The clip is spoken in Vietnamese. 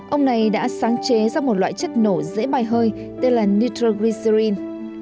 ông này đã sáng chế ra một loại chất nổ dễ bài hơi tên là nitroglycerin